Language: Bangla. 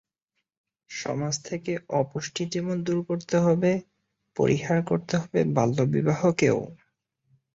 সমাজ থেকে অপুষ্টি যেমন দূর করতে হবে, পরিহার করতে হবে বাল্যবিবাহকেও।